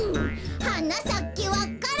「はなさけわか蘭」